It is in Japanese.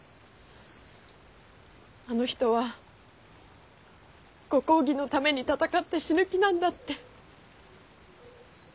あの人はご公儀のために戦って死ぬ気なんだって。